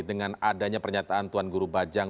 dengan adanya pernyataan tuan guru bajang